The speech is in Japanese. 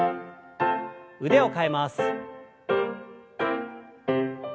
腕を替えます。